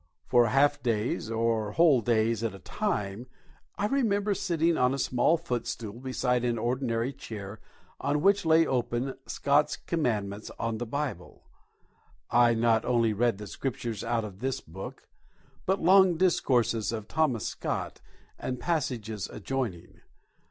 For half days, or whole days, at a time I remember sitting on a small footstool beside an ordinary chair on which lay open "Scott's Commentaries on the Bible." I not only read the Scriptures out of this book, but long discourses of Thomas Scott, and passages adjoining.